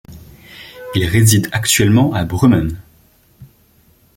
Il réside actuellement à Brummen.